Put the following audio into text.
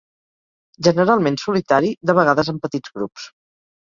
Generalment solitari, de vegades en petits grups.